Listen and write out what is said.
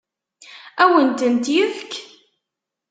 Ad awen-tent-yefk?